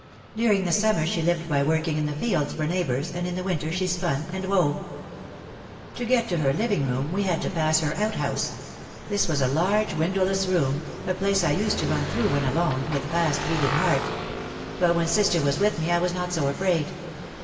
During the summer she lived by working in the fields for neighbours and in the winter she spun and wove. To get to her living room we had to pass her out house. This was a large windowless room, a place I used to run through when alone, with fast beating heart. But when sister was with me I was not so afraid.